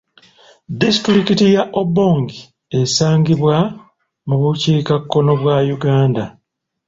Disitulikiti ya Obongi esangibwa mu bukiikakkono bwa Uganda